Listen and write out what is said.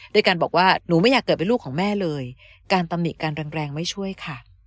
ด้วยการบอกว่าหนูไม่อยากเกิดเป็นลูกของแม่เลยการตำหนิการแรงแรงไม่ช่วยค่ะ